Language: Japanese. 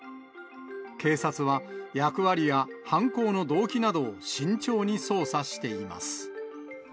警察は役割や犯行の動機などを慎重に捜査しています。